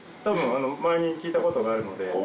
たぶん前に聞いたことがあるので。